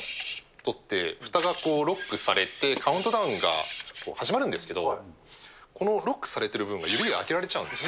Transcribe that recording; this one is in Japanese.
取って、ふたがロックされてカウントダウンが始まるんですけど、このロックされてる部分が指で開けられちゃうんです。